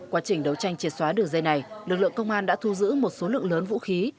quá trình đấu tranh triệt xóa đường dây này lực lượng công an đã thu giữ một số lượng lớn vũ khí